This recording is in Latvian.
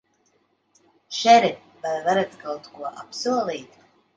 Šerif, vai varat kaut ko apsolīt?